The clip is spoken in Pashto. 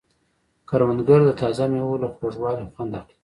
کروندګر د تازه مېوو له خوږوالي خوند اخلي